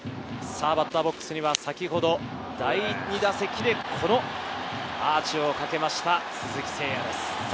バッターボックスには先ほど、第２打席でこのアーチをかけました、鈴木誠也です。